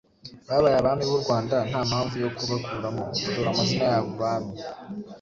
babaye abami b'Urwanda, nta mpamvu yo kubakuramo. Dore amazina y'abo Bami:.